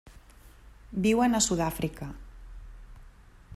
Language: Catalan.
Viuen a Sud-àfrica.